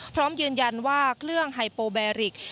พร้อมยืนยันว่าเครื่องไฮโปแบริก